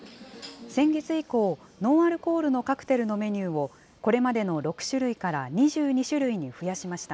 先月以降、ノンアルコールのカクテルのメニューをこれまでの６種類から２２種類に増やしました。